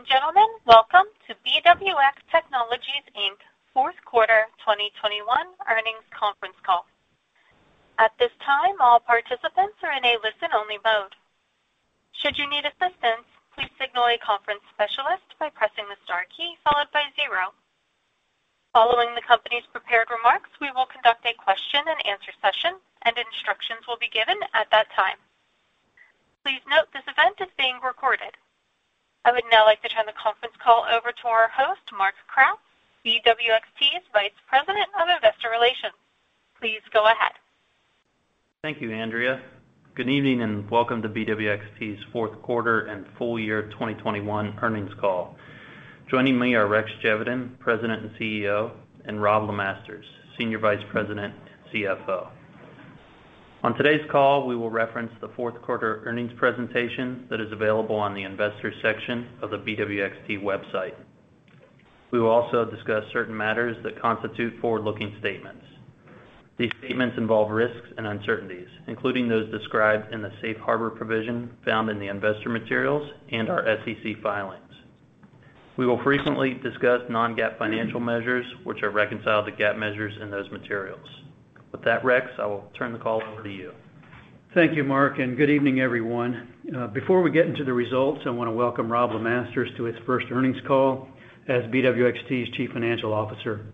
Ladies and gentlemen, welcome to BWX Technologies Inc's fourth quarter 2021 earnings conference call. At this time, all participants are in a listen-only mode. Should you need assistance, please signal a conference specialist by pressing the star key followed by zero. Following the company's prepared remarks, we will conduct a question-and-answer session and instructions will be given at that time. Please note this event is being recorded. I would now like to turn the conference call over to our host, Mark Kratz, BWXT's Vice President of Investor Relations. Please go ahead. Thank you, Andrea. Good evening, and welcome to BWXT's fourth quarter and full year 2021 earnings call. Joining me are Rex Geveden, President and CEO, and Robb LeMasters, Senior Vice President and CFO. On today's call, we will reference the fourth quarter earnings presentation that is available on the investors section of the BWXT website. We will also discuss certain matters that constitute forward-looking statements. These statements involve risks and uncertainties, including those described in the safe harbor provision found in the investor materials and our SEC filings. We will frequently discuss non-GAAP financial measures, which are reconciled to GAAP measures in those materials. With that, Rex, I will turn the call over to you. Thank you, Mark, and good evening, everyone. Before we get into the results, I wanna welcome Robb LeMasters to his first earnings call as BWXT's Chief Financial Officer.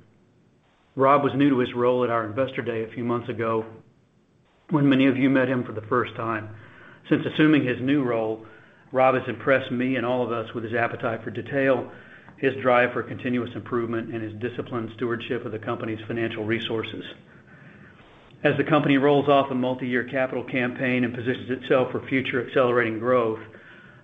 Robb was new to his role at our Investor Day a few months ago when many of you met him for the first time. Since assuming his new role, Robb has impressed me and all of us with his appetite for detail, his drive for continuous improvement, and his disciplined stewardship of the company's financial resources. As the company rolls off a multi-year capital campaign and positions itself for future accelerating growth,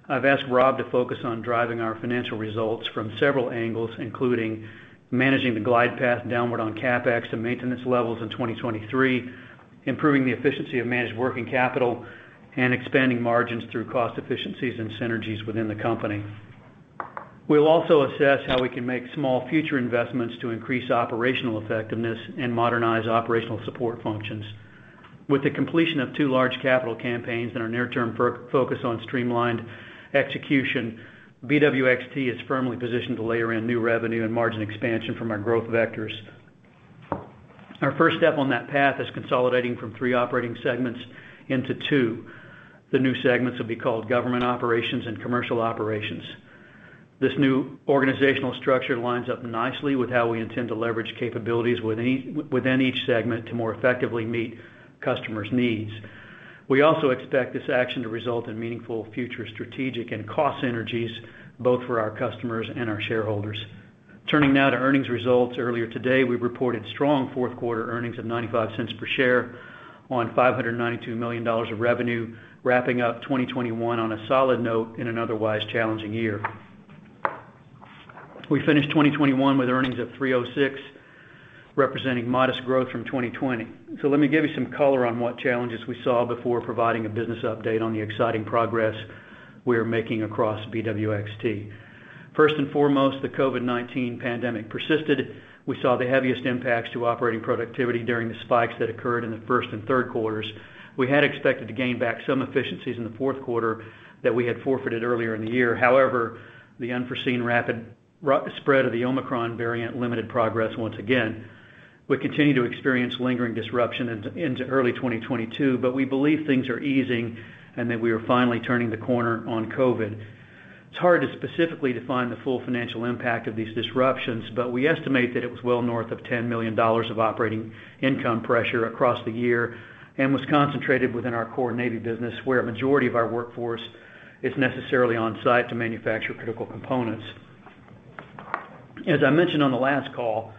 I've asked Robb to focus on driving our financial results from several angles, including managing the glide path downward on CapEx to maintenance levels in 2023, improving the efficiency of managed working capital, and expanding margins through cost efficiencies and synergies within the company. We'll also assess how we can make small future investments to increase operational effectiveness and modernize operational support functions. With the completion of two large capital campaigns and our near-term first focus on streamlined execution, BWXT is firmly positioned to layer in new revenue and margin expansion from our growth vectors. Our first step on that path is consolidating from three operating segments into two. The new segments will be called Government Operations and Commercial Operations. This new organizational structure lines up nicely with how we intend to leverage capabilities within each segment to more effectively meet customers' needs. We also expect this action to result in meaningful future strategic and cost synergies, both for our customers and our shareholders. Turning now to earnings results. Earlier today, we reported strong fourth quarter earnings of $0.95 per share on $592 million of revenue, wrapping up 2021 on a solid note in an otherwise challenging year. We finished 2021 with earnings of $3.06, representing modest growth from 2020. Let me give you some color on what challenges we saw before providing a business update on the exciting progress we are making across BWXT. First and foremost, the COVID-19 pandemic persisted. We saw the heaviest impacts to operating productivity during the spikes that occurred in the first and third quarters. We had expected to gain back some efficiencies in the fourth quarter that we had forfeited earlier in the year. However, the unforeseen rapid respread of the Omicron variant limited progress once again. We continue to experience lingering disruption into early 2022, but we believe things are easing and that we are finally turning the corner on COVID. It's hard to specifically define the full financial impact of these disruptions, but we estimate that it was well north of $10 million of operating income pressure across the year and was concentrated within our core Navy business, where a majority of our workforce is necessarily on-site to manufacture critical components. As I mentioned on the last call,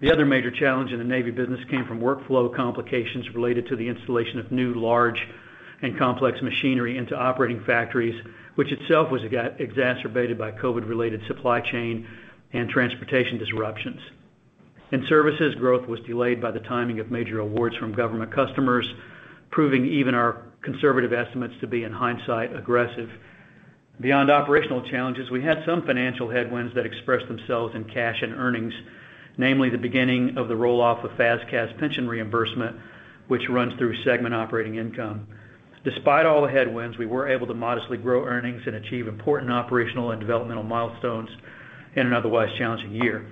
the other major challenge in the Navy business came from workflow complications related to the installation of new, large, and complex machinery into operating factories, which itself was exacerbated by COVID-related supply chain and transportation disruptions. In services, growth was delayed by the timing of major awards from government customers, proving even our conservative estimates to be, in hindsight, aggressive. Beyond operational challenges, we had some financial headwinds that expressed themselves in cash and earnings, namely the beginning of the roll-off of FAS/CAS pension reimbursement, which runs through segment operating income. Despite all the headwinds, we were able to modestly grow earnings and achieve important operational and developmental milestones in an otherwise challenging year.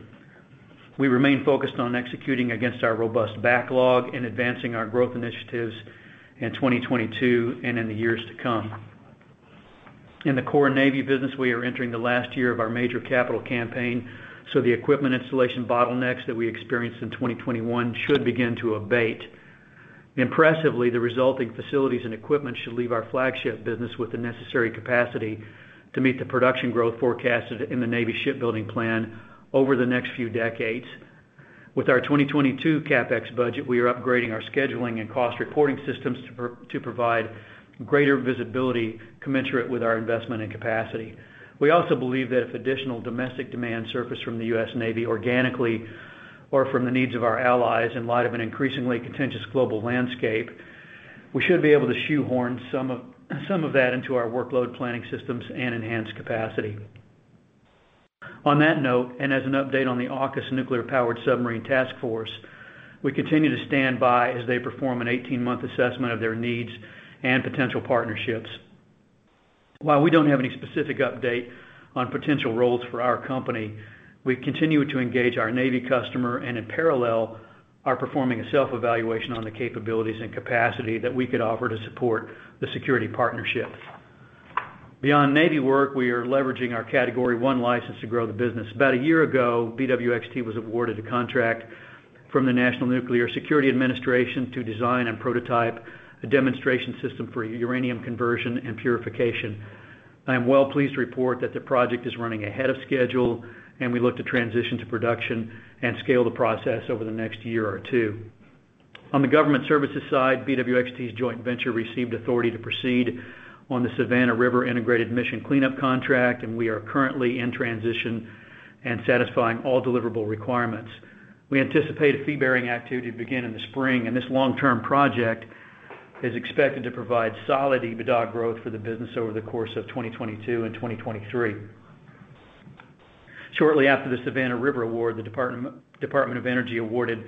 We remain focused on executing against our robust backlog and advancing our growth initiatives in 2022 and in the years to come. In the core Navy business, we are entering the last year of our major capital campaign, so the equipment installation bottlenecks that we experienced in 2021 should begin to abate. Impressively, the resulting facilities and equipment should leave our flagship business with the necessary capacity to meet the production growth forecasted in the Navy shipbuilding plan over the next few decades. With our 2022 CapEx budget, we are upgrading our scheduling and cost reporting systems to provide greater visibility commensurate with our investment and capacity. We also believe that if additional domestic demand surfaces from the U.S. Navy organically or from the needs of our allies in light of an increasingly contentious global landscape, we should be able to shoehorn some of that into our workload planning systems and enhance capacity. On that note, and as an update on the AUKUS Nuclear-Powered Submarine Task Force, we continue to stand by as they perform an 18-month assessment of their needs and potential partnerships. While we don't have any specific update on potential roles for our company, we continue to engage our Navy customer and in parallel are performing a self-evaluation on the capabilities and capacity that we could offer to support the security partnership. Beyond Navy work, we are leveraging our Category 1 license to grow the business. About a year ago, BWXT was awarded a contract from the National Nuclear Security Administration to design and prototype a demonstration system for uranium conversion and purification. I am well pleased to report that the project is running ahead of schedule, and we look to transition to production and scale the process over the next year or two. On the government services side, BWXT's joint venture received authority to proceed on the Savannah River Site Integrated Mission Completion Contract, and we are currently in transition and satisfying all deliverable requirements. We anticipate a fee-bearing activity to begin in the spring, and this long-term project is expected to provide solid EBITDA growth for the business over the course of 2022 and 2023. Shortly after the Savannah River award, the Department of Energy awarded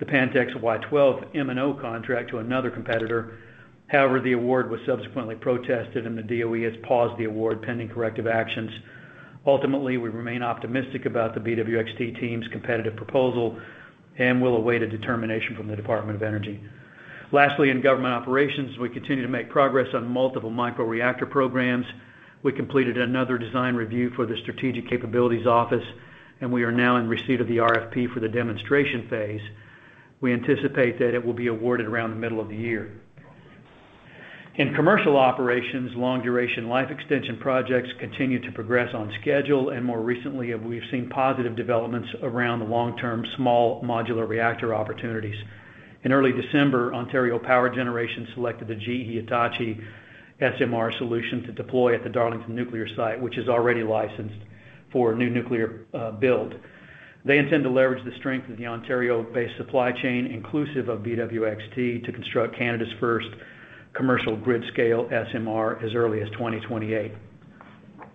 the Pantex Y-12 M&O contract to another competitor. However, the award was subsequently protested, and the DOE has paused the award pending corrective actions. Ultimately, we remain optimistic about the BWXT team's competitive proposal and will await a determination from the Department of Energy. Lastly, in Government Operations, we continue to make progress on multiple microreactor programs. We completed another design review for the Strategic Capabilities Office, and we are now in receipt of the RFP for the demonstration phase. We anticipate that it will be awarded around the middle of the year. In Commercial Operations, long-duration life extension projects continue to progress on schedule, and more recently, we've seen positive developments around the long-term small modular reactor opportunities. In early December, Ontario Power Generation selected the GE Hitachi SMR solution to deploy at the Darlington nuclear site, which is already licensed for new nuclear build. They intend to leverage the strength of the Ontario-based supply chain, inclusive of BWXT, to construct Canada's first commercial grid-scale SMR as early as 2028.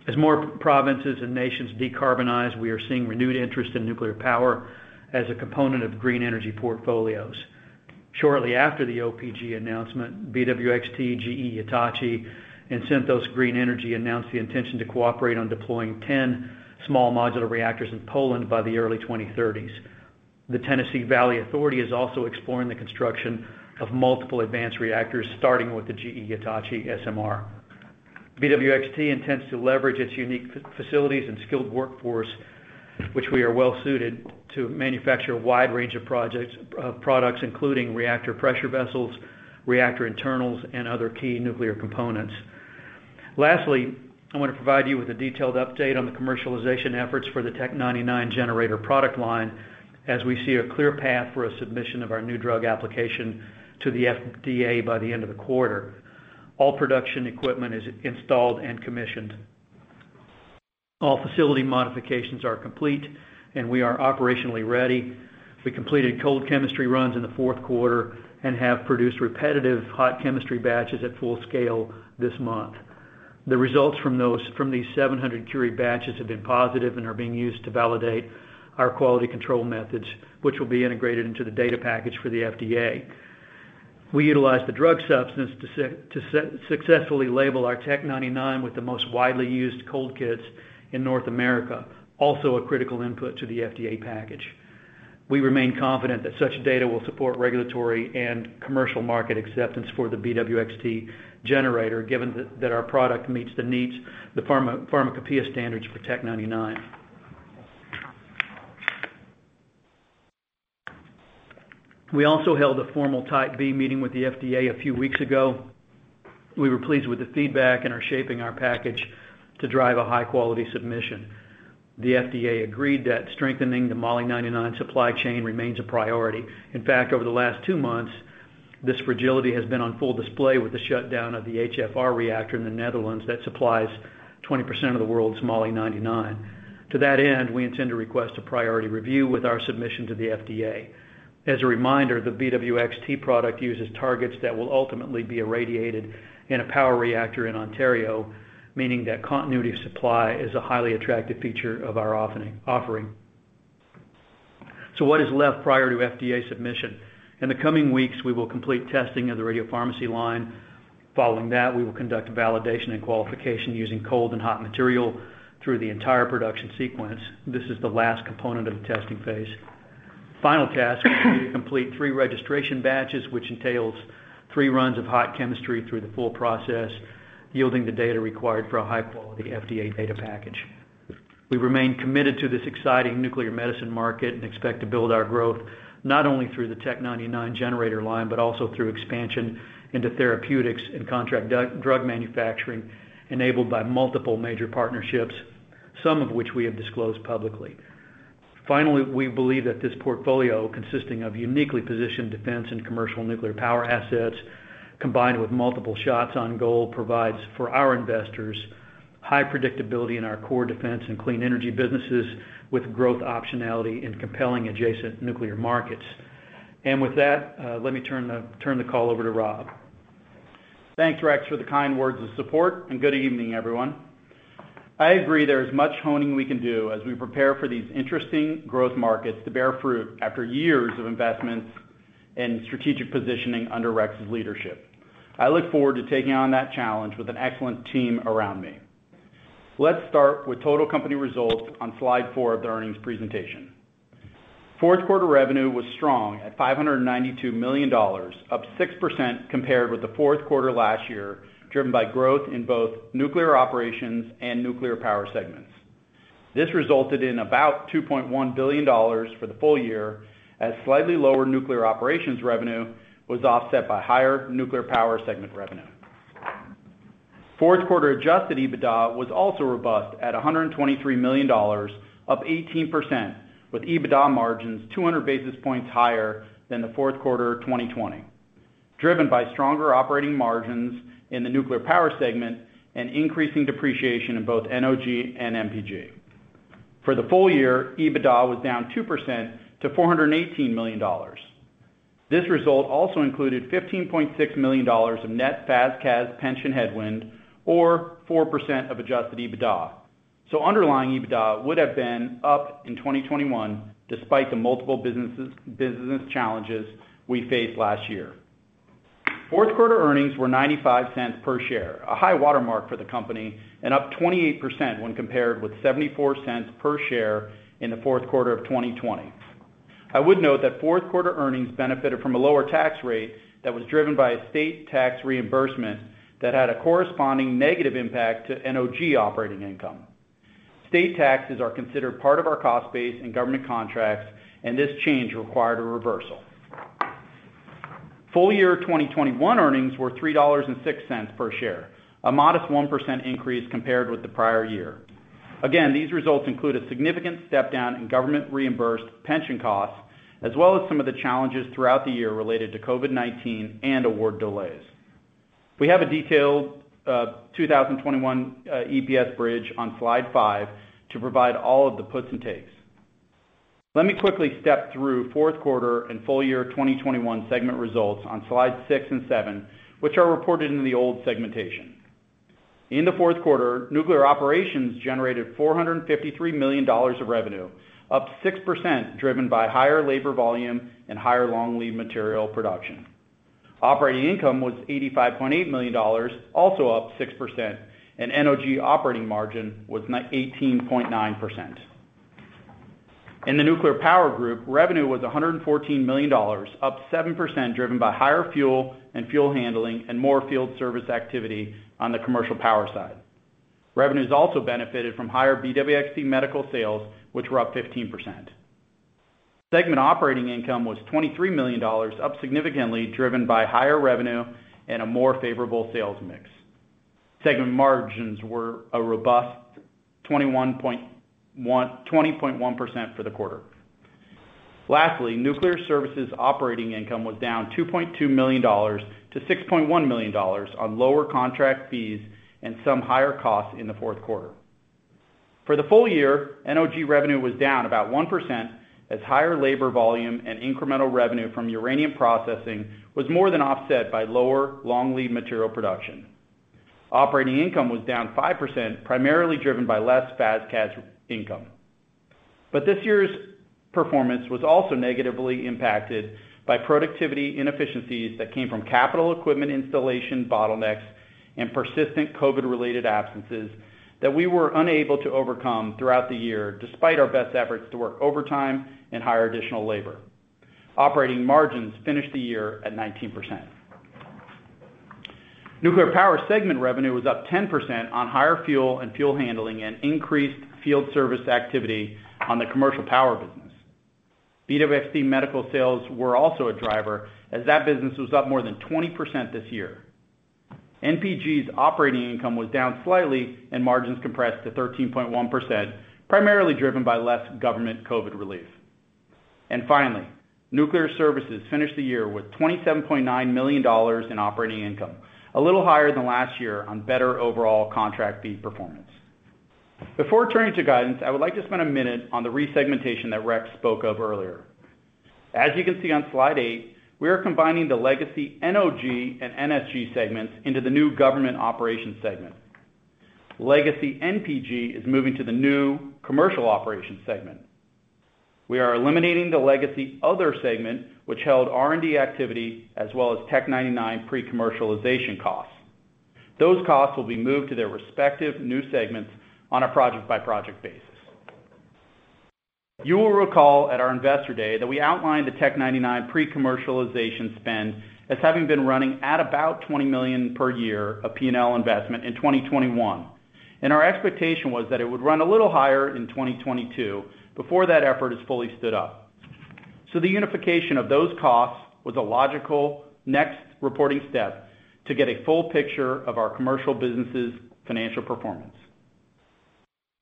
As more provinces and nations decarbonize, we are seeing renewed interest in nuclear power as a component of green energy portfolios. Shortly after the OPG announcement, BWXT, GE Hitachi, and Synthos Green Energy announced the intention to cooperate on deploying 10 small modular reactors in Poland by the early 2030s. The Tennessee Valley Authority is also exploring the construction of multiple advanced reactors, starting with the GE Hitachi SMR. BWXT intends to leverage its unique facilities and skilled workforce, which we are well suited to manufacture a wide range of products including reactor pressure vessels, reactor internals, and other key nuclear components. I want to provide you with a detailed update on the commercialization efforts for the Tc-99m generator product line as we see a clear path for a submission of our new drug application to the FDA by the end of the quarter. All production equipment is installed and commissioned. All facility modifications are complete, and we are operationally ready. We completed cold chemistry runs in the fourth quarter and have produced repetitive hot chemistry batches at full scale this month. The results from these 700 curie batches have been positive and are being used to validate our quality control methods, which will be integrated into the data package for the FDA. We utilized the drug substance to successfully label our Tc-99m with the most widely used cold kits in North America, also a critical input to the FDA package. We remain confident that such data will support regulatory and commercial market acceptance for the BWXT generator, given that our product meets the needs, the pharmacopeia standards for Tc-99m. We also held a formal Type B meeting with the FDA a few weeks ago. We were pleased with the feedback and are shaping our package to drive a high-quality submission. The FDA agreed that strengthening the Moly-99 supply chain remains a priority. In fact, over the last two months, this fragility has been on full display with the shutdown of the HFR reactor in the Netherlands that supplies 20% of the world's Moly-99. To that end, we intend to request a priority review with our submission to the FDA. As a reminder, the BWXT product uses targets that will ultimately be irradiated in a power reactor in Ontario, meaning that continuity of supply is a highly attractive feature of our offering. What is left prior to FDA submission? In the coming weeks, we will complete testing of the radiopharmacy line. Following that, we will conduct a validation and qualification using cold and hot material through the entire production sequence. This is the last component of the testing phase. Final task will be to complete three registration batches, which entails three runs of hot chemistry through the full process, yielding the data required for a high-quality FDA data package. We remain committed to this exciting nuclear medicine market and expect to build our growth not only through the Tc-99m generator line, but also through expansion into therapeutics and contract drug manufacturing enabled by multiple major partnerships, some of which we have disclosed publicly. Finally, we believe that this portfolio, consisting of uniquely positioned defense and commercial nuclear power assets, combined with multiple shots on goal, provides for our investors high predictability in our core defense and clean energy businesses with growth optionality in compelling adjacent nuclear markets. With that, let me turn the call over to Robb. Thanks, Rex, for the kind words of support, and good evening, everyone. I agree there is much honing we can do as we prepare for these interesting growth markets to bear fruit after years of investments and strategic positioning under Rex's leadership. I look forward to taking on that challenge with an excellent team around me. Let's start with total company results on slide four of the earnings presentation. Fourth quarter revenue was strong at $592 million, up 6% compared with the fourth quarter last year, driven by growth in both Nuclear Operations and Nuclear Power segments. This resulted in about $2.1 billion for the full year as slightly lower Nuclear Operations revenue was offset by higher Nuclear Power segment revenue. Fourth quarter adjusted EBITDA was also robust at $123 million, up 18%, with EBITDA margins 200 basis points higher than the fourth quarter of 2020, driven by stronger operating margins in the nuclear power segment and increasing depreciation in both NOG and NPG. For the full year, EBITDA was down 2% to $418 million. This result also included $15.6 million of net FAS/CAS pension headwind or 4% of adjusted EBITDA. Underlying EBITDA would have been up in 2021 despite the multiple businesses challenges we faced last year. Fourth quarter earnings were $0.95 per share, a high watermark for the company and up 28% when compared with $0.74 per share in the fourth quarter of 2020. I would note that fourth quarter earnings benefited from a lower tax rate that was driven by a state tax reimbursement that had a corresponding negative impact to NOG operating income. State taxes are considered part of our cost base in government contracts, and this change required a reversal. Full year 2021 earnings were $3.06 per share, a modest 1% increase compared with the prior year. Again, these results include a significant step down in government reimbursed pension costs, as well as some of the challenges throughout the year related to COVID-19 and award delays. We have a detailed 2021 EPS bridge on slide five to provide all of the puts and takes. Let me quickly step through fourth quarter and full year 2021 segment results on slides six and seven, which are reported in the old segmentation. In the fourth quarter, Nuclear Operations generated $453 million of revenue, up 6% driven by higher labor volume and higher long lead material production. Operating income was $85.8 million, also up 6%, and NOG operating margin was 18.9%. In the Nuclear Power Group, revenue was $114 million, up 7% driven by higher fuel and fuel handling and more field service activity on the commercial power side. Revenues also benefited from higher BWXT Medical sales, which were up 15%. Segment operating income was $23 million, up significantly, driven by higher revenue and a more favorable sales mix. Segment margins were a robust 20.1% for the quarter. Lastly, nuclear services operating income was down $2.2 million-$6.1 million on lower contract fees and some higher costs in the fourth quarter. For the full year, NOG revenue was down about 1% as higher labor volume and incremental revenue from uranium processing was more than offset by lower long lead material production. Operating income was down 5%, primarily driven by less FAS/CAS income. This year's performance was also negatively impacted by productivity inefficiencies that came from capital equipment installation bottlenecks and persistent COVID-related absences that we were unable to overcome throughout the year despite our best efforts to work overtime and hire additional labor. Operating margins finished the year at 19%. Nuclear power segment revenue was up 10% on higher fuel and fuel handling and increased field service activity on the commercial power business. BWXT Medical sales were also a driver as that business was up more than 20% this year. NPG's operating income was down slightly and margins compressed to 13.1%, primarily driven by less government COVID relief. Finally, nuclear services finished the year with $27.9 million in operating income, a little higher than last year on better overall contract fee performance. Before turning to guidance, I would like to spend a minute on the resegmentation that Rex spoke of earlier. As you can see on slide eight, we are combining the legacy NOG and NSG segments into the new Government Operations segment. Legacy NPG is moving to the new Commercial Operations segment. We are eliminating the legacy other segment, which held R&D activity as well as Tc-99m pre-commercialization costs. Those costs will be moved to their respective new segments on a project-by-project basis. You will recall at our Investor Day that we outlined the Tc-99m pre-commercialization spend as having been running at about $20 million per year of P&L investment in 2021. Our expectation was that it would run a little higher in 2022 before that effort is fully stood up. The unification of those costs was a logical next reporting step to get a full picture of our commercial businesses' financial performance.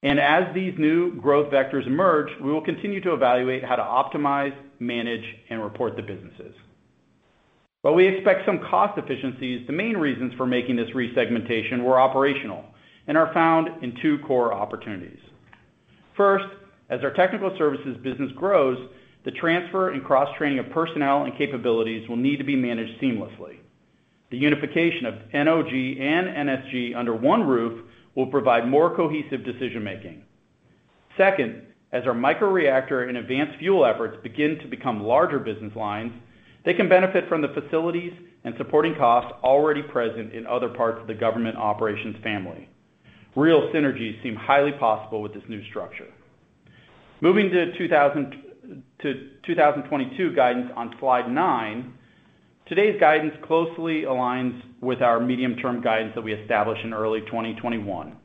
As these new growth vectors emerge, we will continue to evaluate how to optimize, manage, and report the businesses. While we expect some cost efficiencies, the main reasons for making this resegmentation were operational and are found in two core opportunities. First, as our technical services business grows, the transfer and cross-training of personnel and capabilities will need to be managed seamlessly. The unification of NOG and NSG under one roof will provide more cohesive decision-making. Second, as our microreactor and advanced fuel efforts begin to become larger business lines, they can benefit from the facilities and supporting costs already present in other parts of the Government Operations family. Real synergies seem highly possible with this new structure. Moving to 2022 guidance on slide nine, today's guidance closely aligns with our medium-term guidance that we established in early 2021,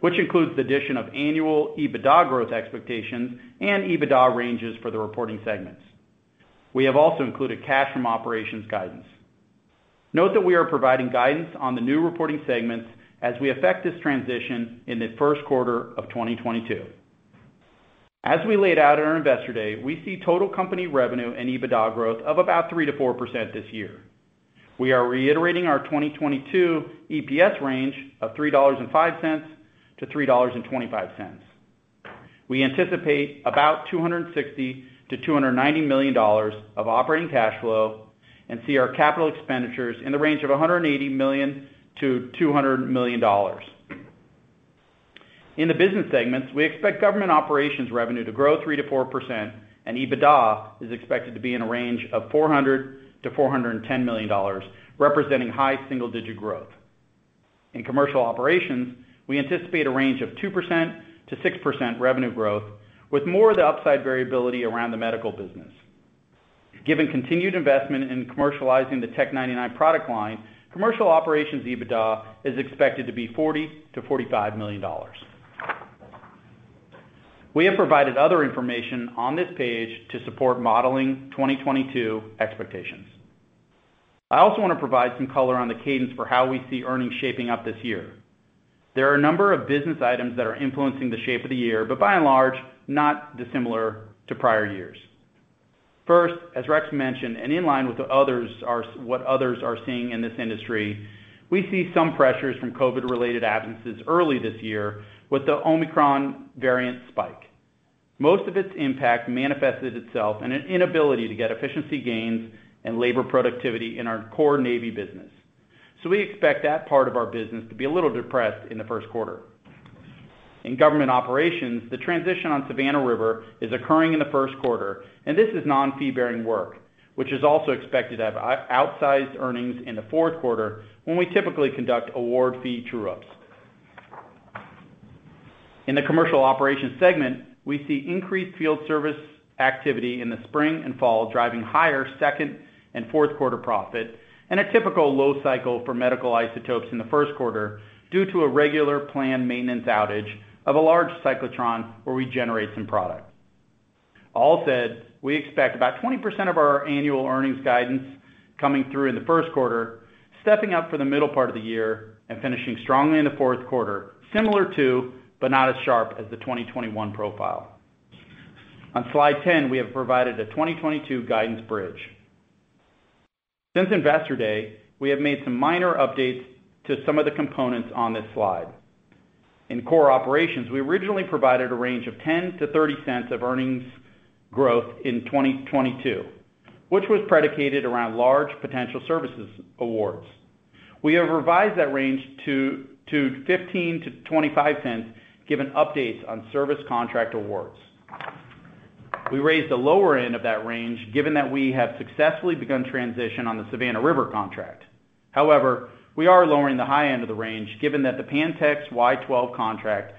which includes the addition of annual EBITDA growth expectations and EBITDA ranges for the reporting segments. We have also included cash from operations guidance. Note that we are providing guidance on the new reporting segments as we effect this transition in the first quarter of 2022. As we laid out in our Investor Day, we see total company revenue and EBITDA growth of about 3%-4% this year. We are reiterating our 2022 EPS range of $3.05-$3.25. We anticipate about $260 million-$290 million of operating cash flow and see our capital expenditures in the range of $180 million-$200 million. In the business segments, we expect Government Operations revenue to grow 3%-4%, and EBITDA is expected to be in a range of $400 million-$410 million, representing high single-digit growth. In Commercial Operations, we anticipate a range of 2%-6% revenue growth, with more of the upside variability around the medical business. Given continued investment in commercializing the Tc-99m product line, Commercial Operations EBITDA is expected to be $40 million-$45 million. We have provided other information on this page to support modeling 2022 expectations. I also wanna provide some color on the cadence for how we see earnings shaping up this year. There are a number of business items that are influencing the shape of the year, but by and large, not dissimilar to prior years. First, as Rex mentioned, and in line with what others are seeing in this industry, we see some pressures from COVID-related absences early this year with the Omicron variant spike. Most of its impact manifested itself in an inability to get efficiency gains and labor productivity in our core Navy business. We expect that part of our business to be a little depressed in the first quarter. In Government Operations, the transition on Savannah River is occurring in the first quarter, and this is non-fee-bearing work, which is also expected to have outsized earnings in the fourth quarter when we typically conduct award fee true-ups. In the Commercial Operations segment, we see increased field service activity in the spring and fall, driving higher second and fourth quarter profit, and a typical low cycle for medical isotopes in the first quarter due to a regular planned maintenance outage of a large cyclotron where we generate some product. All said, we expect about 20% of our annual earnings guidance coming through in the first quarter, stepping up for the middle part of the year and finishing strongly in the fourth quarter, similar to, but not as sharp as the 2021 profile. On slide 10, we have provided a 2022 guidance bridge. Since Investor Day, we have made some minor updates to some of the components on this slide. In core operations, we originally provided a range of $0.10-$0.30 of earnings growth in 2022, which was predicated around large potential services awards. We have revised that range to $0.15-$0.25 given updates on service contract awards. We raised the lower end of that range given that we have successfully begun transition on the Savannah River contract. However, we are lowering the high end of the range given that the Pantex Y-12 contract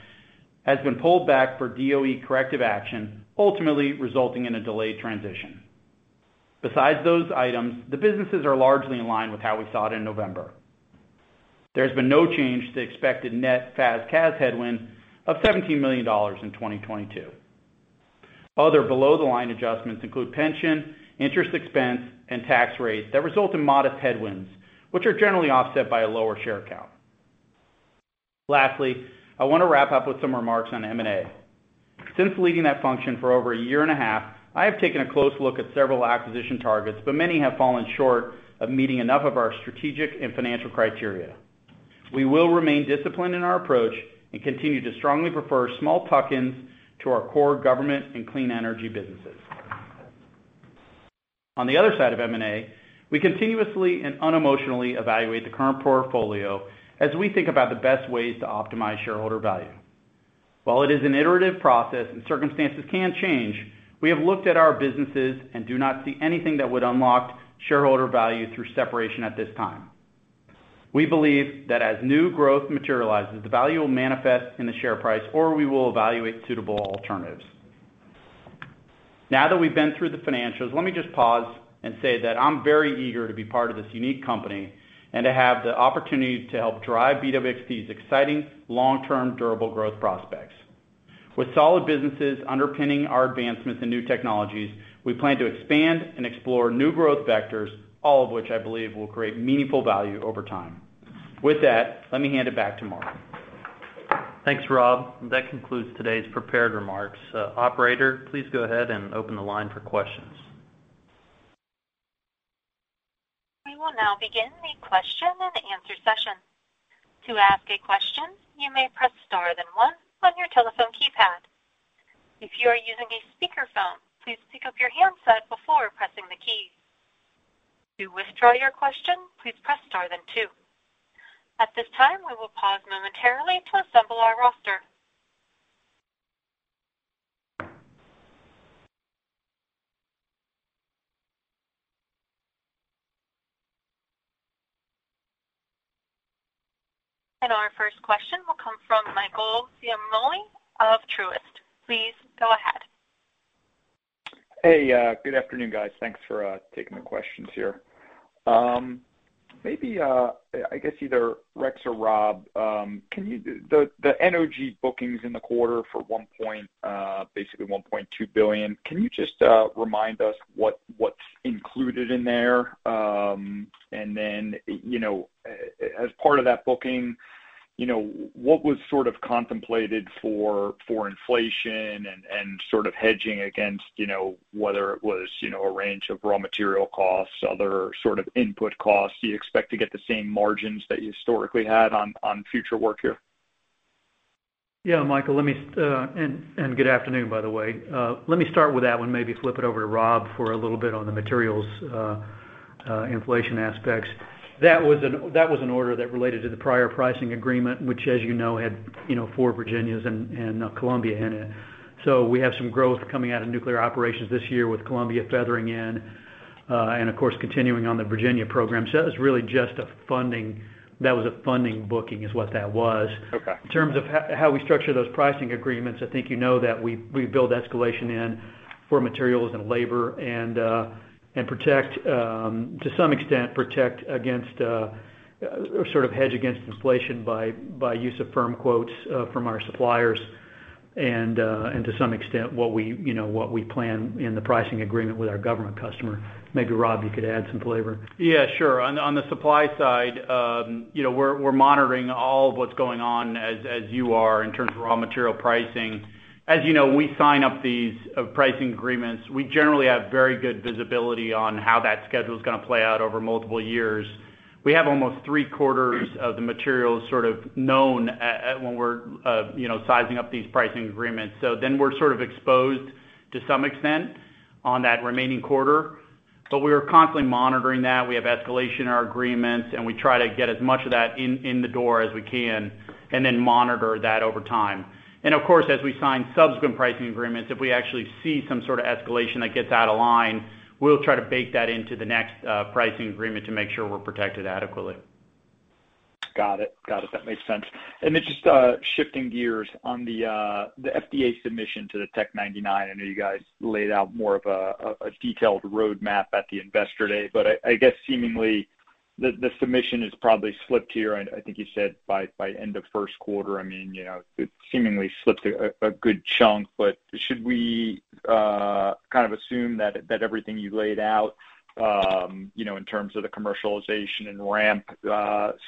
has been pulled back for DOE corrective action, ultimately resulting in a delayed transition. Besides those items, the businesses are largely in line with how we saw it in November. There's been no change to expected net FAS/CAS headwind of $17 million in 2022. Other below-the-line adjustments include pension, interest expense, and tax rates that result in modest headwinds, which are generally offset by a lower share count. Lastly, I wanna wrap up with some remarks on M&A. Since leading that function for over a year and a half, I have taken a close look at several acquisition targets, but many have fallen short of meeting enough of our strategic and financial criteria. We will remain disciplined in our approach and continue to strongly prefer small tuck-ins to our core government and clean energy businesses. On the other side of M&A, we continuously and unemotionally evaluate the current portfolio as we think about the best ways to optimize shareholder value. While it is an iterative process and circumstances can change, we have looked at our businesses and do not see anything that would unlock shareholder value through separation at this time. We believe that as new growth materializes, the value will manifest in the share price, or we will evaluate suitable alternatives. Now that we've been through the financials, let me just pause and say that I'm very eager to be part of this unique company and to have the opportunity to help drive BWXT's exciting long-term durable growth prospects. With solid businesses underpinning our advancements in new technologies, we plan to expand and explore new growth vectors, all of which I believe will create meaningful value over time. With that, let me hand it back to Mark. Thanks, Robb. That concludes today's prepared remarks. Operator, please go ahead and open the line for questions. We will now begin the question and answer session. To ask a question, you may press star then one on your telephone keypad. If you are using a speakerphone, please pick up your handset before pressing the key. To withdraw your question, please press star then two. At this time, we will pause momentarily to assemble our roster. Our first question will come from Michael Ciarmoli of Truist. Please go ahead. Hey, good afternoon, guys. Thanks for taking the questions here. Maybe, I guess, either Rex or Robb, the energy bookings in the quarter for basically $1.2 billion. Can you just remind us what's included in there? You know, as part of that booking, you know, what was sort of contemplated for inflation and sort of hedging against, you know, whether it was a range of raw material costs, other sort of input costs? Do you expect to get the same margins that you historically had on future work here? Yeah, Michael, let me and good afternoon, by the way. Let me start with that one, maybe flip it over to Robb for a little bit on the materials, inflation aspects. That was an order that related to the prior pricing agreement, which as you know, had, you know, four Virginias and Columbia in it. We have some growth coming out of Nuclear Operations this year with Columbia feathering in, and of course, continuing on the Virginia program. That was really just a funding booking, is what that was. Okay. In terms of how we structure those pricing agreements, I think you know that we build escalation in for materials and labor and protect to some extent against or sort of hedge against inflation by use of firm quotes from our suppliers and to some extent what we you know plan in the pricing agreement with our government customer. Maybe Robb, you could add some flavor. Yeah, sure. On the supply side, you know, we're monitoring all of what's going on as you are in terms of raw material pricing. As you know, we sign up these pricing agreements. We generally have very good visibility on how that schedule is gonna play out over multiple years. We have almost three-quarters of the materials sort of known at when we're, you know, sizing up these pricing agreements. We're sort of exposed to some extent on that remaining quarter. We are constantly monitoring that. We have escalation in our agreements, and we try to get as much of that in the door as we can and then monitor that over time. Of course, as we sign subsequent pricing agreements, if we actually see some sort of escalation that gets out of line, we'll try to bake that into the next pricing agreement to make sure we're protected adequately. Got it. That makes sense. Then just shifting gears on the FDA submission to the Tc-99m. I know you guys laid out more of a detailed roadmap at the Investor Day, but I guess seemingly the submission is probably slipped here. I think you said by end of first quarter. I mean, you know, it seemingly slipped a good chunk. Should we kind of assume that everything you laid out, you know, in terms of the commercialization and ramp,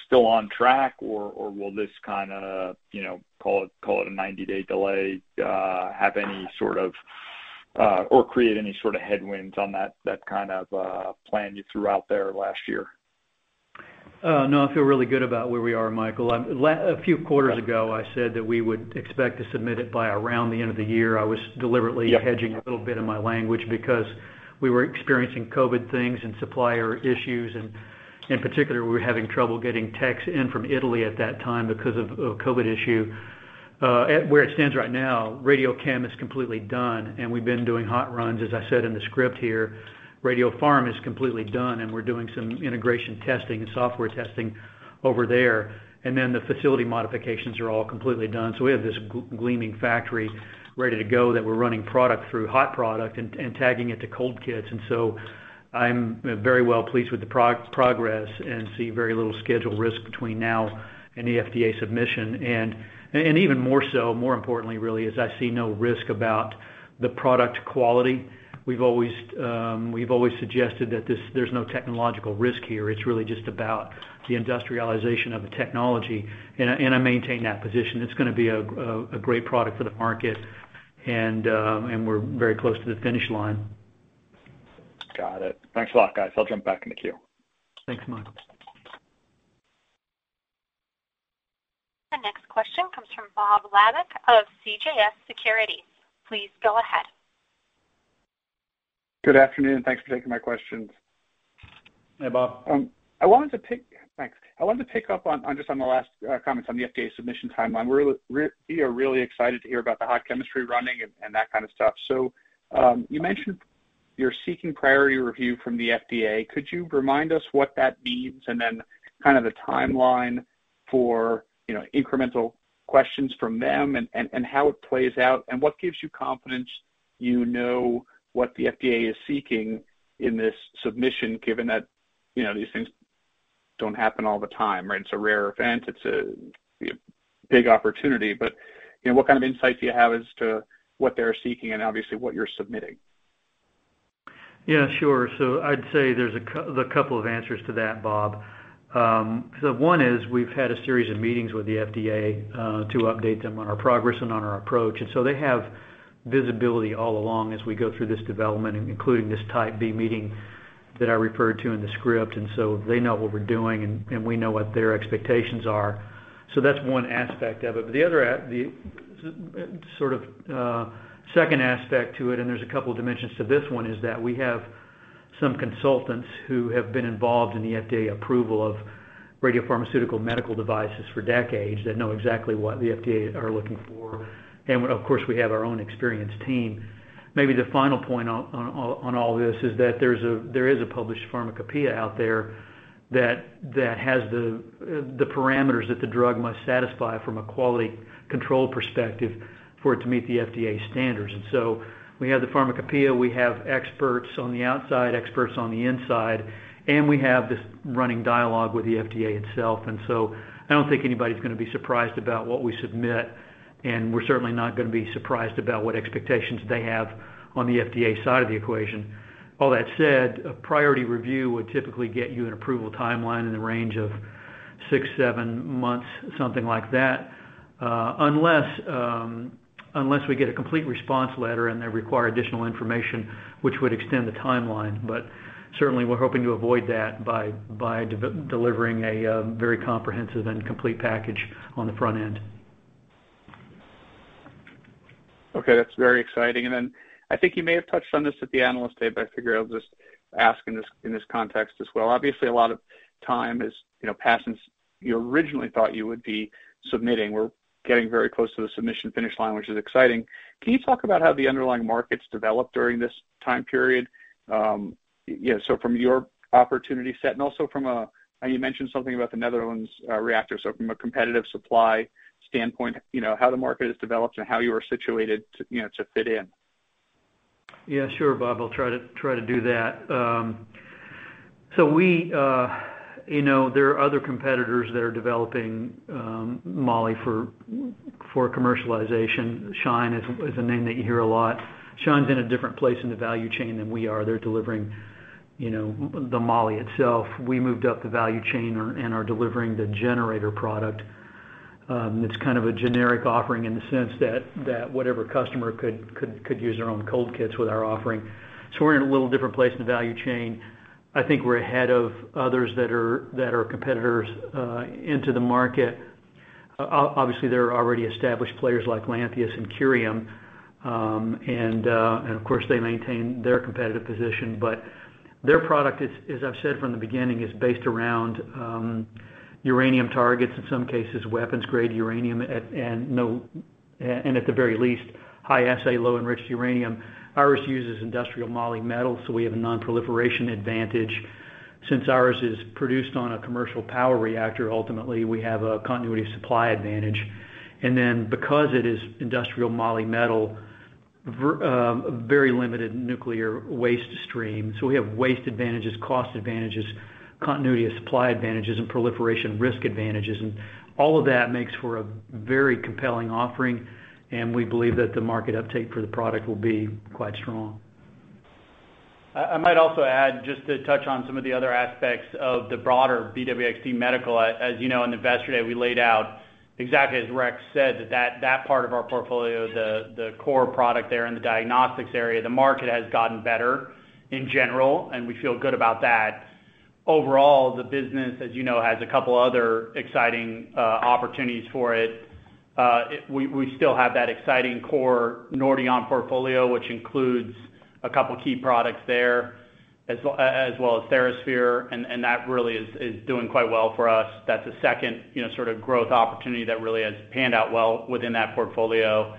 still on track, or will this kinda, you know, call it a 90-day delay, have any sort of or create any sort of headwinds on that kind of plan you threw out there last year? No, I feel really good about where we are, Michael. A few quarters ago, I said that we would expect to submit it by around the end of the year. I was deliberately hedging a little bit in my language because we were experiencing COVID things and supplier issues, and in particular, we were having trouble getting techs in from Italy at that time because of COVID issue. Where it stands right now, radiochemistry is completely done, and we've been doing hot runs, as I said in the script here. Radiopharmaceutical is completely done, and we're doing some integration testing and software testing over there. The facility modifications are all completely done. We have this gleaming factory ready to go that we're running product through hot product and tagging it to cold kits. I'm very well pleased with the progress and see very little schedule risk between now and the FDA submission. Even more so, more importantly, really, is I see no risk about the product quality. We've always suggested that this, there's no technological risk here. It's really just about the industrialization of the technology, and I maintain that position. It's gonna be a great product for the market and we're very close to the finish line. Got it. Thanks a lot, guys. I'll jump back in the queue. Thanks, Michael. The next question comes from Bob Labick of CJS Securities. Please go ahead. Good afternoon. Thanks for taking my questions. Hey, Bob. I wanted to pick up on just the last comments on the FDA submission timeline. We are really excited to hear about the hot chemistry running and that kind of stuff. You mentioned you're seeking priority review from the FDA. Could you remind us what that means and then kind of the timeline for, you know, incremental questions from them and how it plays out and what gives you confidence you know what the FDA is seeking in this submission given that, you know, these things don't happen all the time, right? It's a rare event. It's a big opportunity. You know, what kind of insight do you have as to what they're seeking and obviously what you're submitting? Yeah, sure. I'd say there's a couple of answers to that, Bob. One is we've had a series of meetings with the FDA to update them on our progress and on our approach. They have visibility all along as we go through this development, including this Type B meeting that I referred to in the script, and they know what we're doing and we know what their expectations are. That's one aspect of it. The other, the sort of second aspect to it, and there's a couple dimensions to this one, is that we have some consultants who have been involved in the FDA approval of radiopharmaceutical medical devices for decades that know exactly what the FDA are looking for. Of course, we have our own experienced team. Maybe the final point on all this is that there is a published pharmacopeia out there that has the parameters that the drug must satisfy from a quality control perspective for it to meet the FDA standards. We have the pharmacopeia, we have experts on the outside, experts on the inside, and we have this running dialogue with the FDA itself. I don't think anybody's gonna be surprised about what we submit, and we're certainly not gonna be surprised about what expectations they have on the FDA side of the equation. All that said, a priority review would typically get you an approval timeline in the range of six, seven months, something like that, unless we get a Complete Response Letter and they require additional information, which would extend the timeline. Certainly, we're hoping to avoid that by delivering a very comprehensive and complete package on the front end. Okay, that's very exciting. Then I think you may have touched on this at the analyst day, but I figure I'll just ask in this context as well. Obviously, a lot of time has, you know, passed since you originally thought you would be submitting. We're getting very close to the submission finish line, which is exciting. Can you talk about how the underlying markets developed during this time period? You know, so from your opportunity set and also from how you mentioned something about the Netherlands reactor, so from a competitive supply standpoint, you know, how the market has developed and how you are situated to, you know, to fit in. Yeah, sure, Bob. I'll try to do that. We, you know, there are other competitors that are developing moly for commercialization. SHINE is a name that you hear a lot. SHINE's in a different place in the value chain than we are. They're delivering, you know, the moly itself. We moved up the value chain and are delivering the generator product. It's kind of a generic offering in the sense that whatever customer could use their own cold kits with our offering. We're in a little different place in the value chain. I think we're ahead of others that are competitors into the market. Obviously, there are already established players like Lantheus and Curium, and of course, they maintain their competitive position. Their product is, as I've said from the beginning, based around uranium targets, in some cases, weapons-grade uranium, and at the very least, High-Assay Low-Enriched Uranium. Ours uses industrial moly metal, so we have a non-proliferation advantage. Since ours is produced on a commercial power reactor, ultimately, we have a continuity of supply advantage. Because it is industrial moly metal, we have a very limited nuclear waste stream. We have waste advantages, cost advantages, continuity of supply advantages, and proliferation risk advantages. All of that makes for a very compelling offering, and we believe that the market uptake for the product will be quite strong. I might also add, just to touch on some of the other aspects of the broader BWXT Medical. As you know, in Investor Day, we laid out exactly as Rex said, that part of our portfolio, the core product there in the diagnostics area, the market has gotten better in general, and we feel good about that. Overall, the business, as you know, has a couple other exciting opportunities for it. We still have that exciting core Nordion portfolio, which includes a couple key products there, as well as TheraSphere, and that really is doing quite well for us. That's a second, you know, sort of growth opportunity that really has panned out well within that portfolio.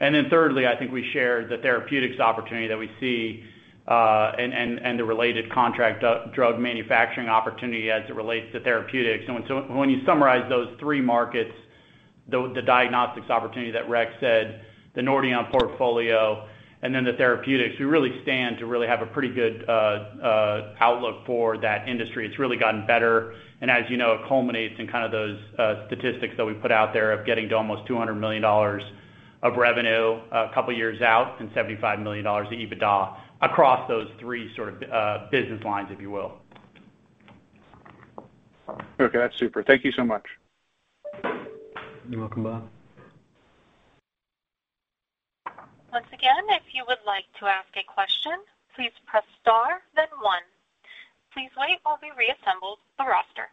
Thirdly, I think we shared the therapeutics opportunity that we see, and the related contract drug manufacturing opportunity as it relates to therapeutics. When you summarize those three markets, the diagnostics opportunity that Rex said, the Nordion portfolio, and then the therapeutics, we really stand to have a pretty good outlook for that industry. It's really gotten better. As you know, it culminates in kind of those statistics that we put out there of getting to almost $200 million of revenue a couple years out and $75 million of EBITDA across those three sort of business lines, if you will. Okay. That's super. Thank you so much. You're welcome, Bob. Once again, if you would like to ask a question, please press star then one. Please wait while we reassemble the roster.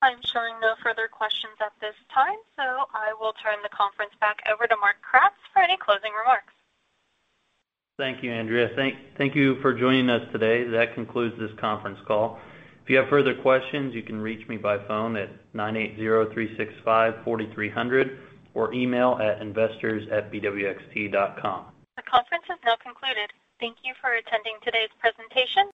I'm showing no further questions at this time, I will turn the conference back over to Mark Kratz for any closing remarks. Thank you, Andrea. Thank you for joining us today. That concludes this conference call. If you have further questions, you can reach me by phone at 980-365-4300 or email at investors@bwxt.com. The conference is now concluded. Thank you for attending today's presentation.